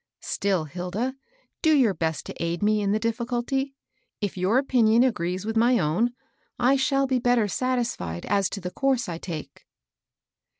" Still, Hilda, do your best to aid me in the difficulty. If your opinion agrees with my own, I shall be better satisfied as to the course I take."